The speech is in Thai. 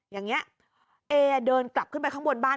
อย่างนี้เอเดินกลับขึ้นไปข้างบนบ้าน